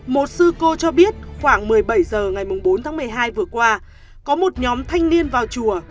một sư cô cho biết khoảng một mươi bảy h ngày bốn tháng một mươi hai vừa qua có một nhóm thanh niên vào chùa